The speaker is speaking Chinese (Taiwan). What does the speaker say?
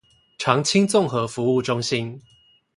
長青綜合服務中心